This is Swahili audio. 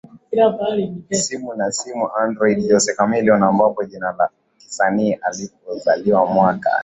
simu na simu za Android Jose Chameleone ambalo ni jina la kisanii alipozaliwa mwaka